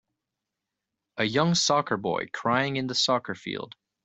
A young soccer boy crying in the soccer field